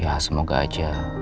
ya semoga aja